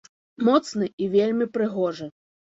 Моцны і вельмі прыгожы.